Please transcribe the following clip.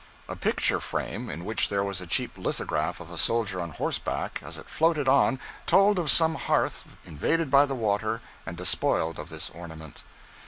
A picture frame in which there was a cheap lithograph of a soldier on horseback, as it floated on told of some hearth invaded by the water and despoiled of this ornament.